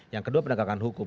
yang kedua penegakan hukum